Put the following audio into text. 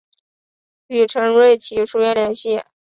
与陈瑞祺书院联系。